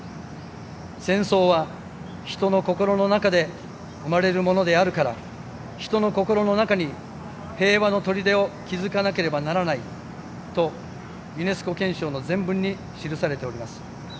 「戦争は人の心の中で生まれるものであるから人の心の中に平和の砦を築かなければならない」とユネスコ憲章の前文に記されております。